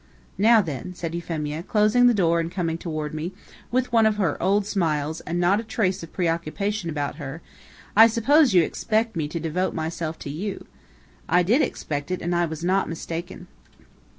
"Now, then," said Euphemia, closing the door and coming toward me, with one of her old smiles, and not a trace of preoccupation about her, "I suppose you expect me to devote myself to you." I did expect it, and I was not mistaken.